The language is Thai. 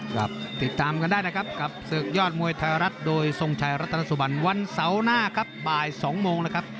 ติดตามกันได้นะครับกับศึกยอดมวยไทยรัฐโดยทรงชัยรัตนสุบันวันเสาร์หน้าครับบ่าย๒โมงนะครับ